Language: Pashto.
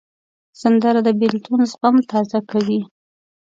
سندره د بېلتون زخم تازه کوي